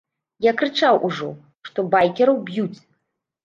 Я крычаў ужо, што байкераў б'юць.